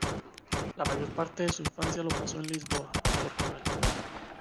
La mayor parte de su infancia lo pasó en Lisboa, Portugal.